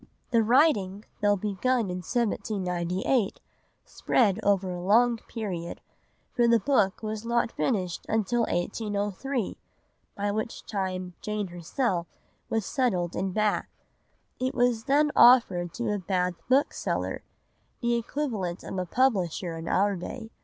The writing, though begun in 1798, spread over a long period, for the book was not finished until 1803, by which time Jane herself was settled in Bath. It was then offered to a Bath bookseller, the equivalent of a publisher in our day.